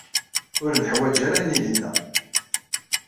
Ur naḥwaǧ ara ad nili da.